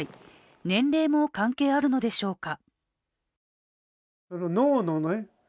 年齢も関係あるのでしょうか。